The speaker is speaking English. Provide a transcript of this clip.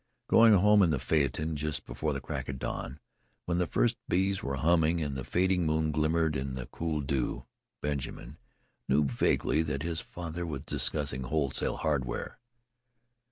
Going home in the phaeton just before the crack of dawn, when the first bees were humming and the fading moon glimmered in the cool dew, Benjamin knew vaguely that his father was discussing wholesale hardware.